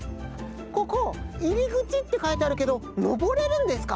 ここ「入口」ってかいてあるけどのぼれるんですか？